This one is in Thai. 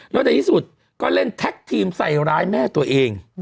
แล้วในที่สุดก็เล่นแท็กทีมใส่ร้ายแม่ตัวเอง